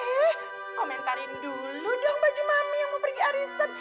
eh komentarin dulu dong baju mami yang mau pergi arisan